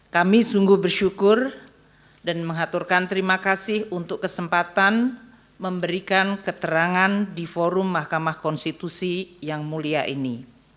kami sungguh bersyukur dan mengaturkan terima kasih untuk kesempatan memberikan keterangan di forum mahkamah konstitusi yang mulia ini